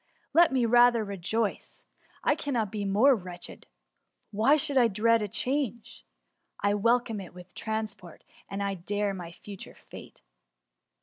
Let me rather rejoice* I cannot be more wretched ; why should I dread a change ? I welcome it with transport, and dare my future fate.''